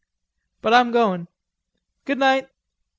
But I'm goin'. Goodnight."